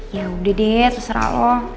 ya udah deh terserah loh